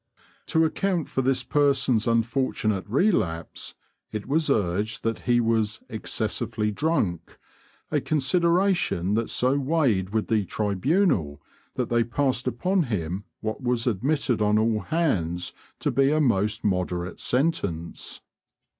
To account for this person's unfortunate relapse, it was urged that he was "excessively drunk," a consideration that so weighed with the tribunal, that they passed upon him what was admitted on all hands to be a most moderate sentence.